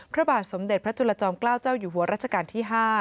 พระบาทสมเด็จพระจุลจอมเกล้าเจ้าอยู่หัวรัชกาลที่๕